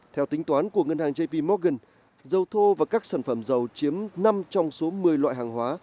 theo tính toán của ngân hàng jp morgan dầu thô và các sản phẩm dầu chiếm năm trong số một mươi loại hàng hóa